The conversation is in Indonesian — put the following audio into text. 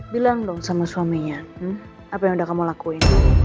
bilang dong sama suaminya apa yang udah kamu lakuin